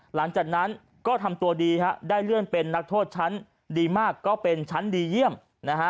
หลังจากนั้นก็ทำตัวดีฮะได้เลื่อนเป็นนักโทษชั้นดีมากก็เป็นชั้นดีเยี่ยมนะฮะ